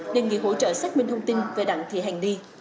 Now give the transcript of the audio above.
đề nghị hỗ trợ xác minh thông tin về đặng thị hàng ni